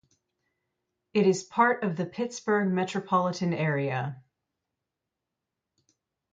It is part of the Pittsburgh Metropolitan Area.